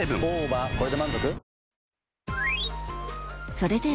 それでは